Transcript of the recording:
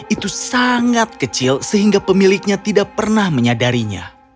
itu sangat kecil sehingga pemiliknya tidak pernah menyadarinya